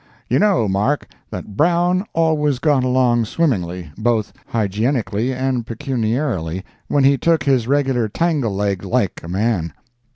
You know, Mark, that Brown always got along swimmingly, both hygienically and pecuniarily, when he took his regular "tangleleg" like a man.